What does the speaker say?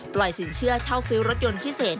สินเชื่อเช่าซื้อรถยนต์พิเศษ